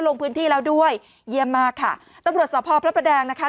ลงพื้นที่แล้วด้วยเยี่ยมมากค่ะตำรวจสพพระประแดงนะคะ